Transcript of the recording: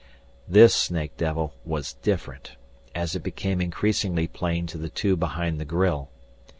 This snake devil was different, as it became increasingly plain to the two behind the grille.